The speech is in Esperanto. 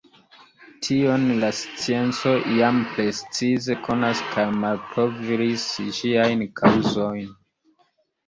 Tion la scienco jam precize konas kaj malkovris ĝiajn kaŭzojn.